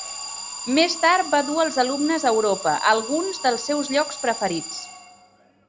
Més tard va dur els alumnes a Europa, a alguns dels seus llocs preferits.